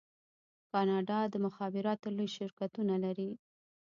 کاناډا د مخابراتو لوی شرکتونه لري.